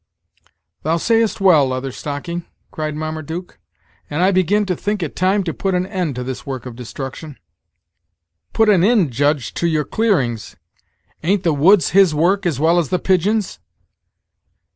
"Thou sayest well, Leather Stocking," cried Marmaduke, "and I begin to think it time to put an end to this work of destruction." "Put an ind, Judge, to your clearings. Ain't the woods His work as well as the pigeons?